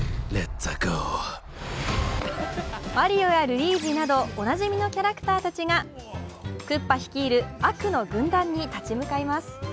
マリオやルイージなどおなじみのキャラクターたちがクッパ率いる悪の軍団に立ち向かいます。